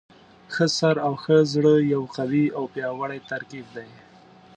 ښه سر او ښه زړه یو قوي او پیاوړی ترکیب دی.